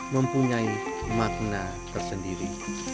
mempunyai makna tersendiri